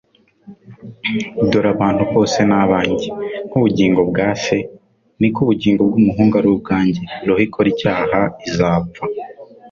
Dore abantu bose ni abanjye; nk'ubugingo bwa se, niko n'ubugingo bw'umuhungu ari ubwanjye: roho ikora icyaha, izapfa.